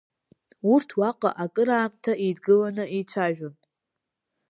Урҭ уаҟа акыраамҭа еидгыланы еицәажәон.